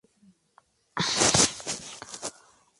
pueden llegar a afectar a las personas y a su comunidad más cercana